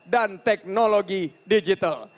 dan teknologi digital